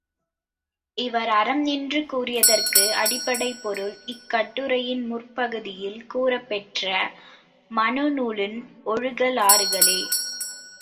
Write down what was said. இவர் அறம் என்று கூறியதற்கு அடிப்படைப் பொருள் இக் கட்டுரையின் முற்பகுதியில் கூறப்பெற்ற மனுநூலின் ஒழுகலாறுகளே!